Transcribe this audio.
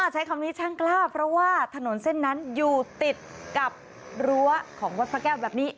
ใช้คำนี้ช่างกล้าเพราะว่าถนนเส้นนั้นอยู่ติดกับรั้วของวัดพระแก้วแบบนี้